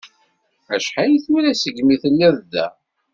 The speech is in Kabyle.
Acḥal tura segmi telliḍ da?